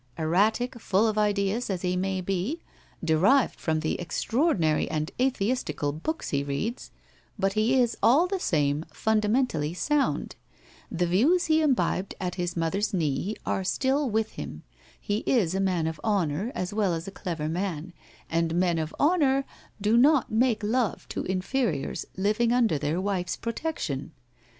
Erratic, full of ideas, as he may be, derived from the extraordinary and atheistical books he reads, but he is, all the same, fundamentally sound. The views he im bibed at his mother's knee are still with him. He is a man of honour as well as a clever man, and men of honour do not make love to inferiors living under their wife's pro tection.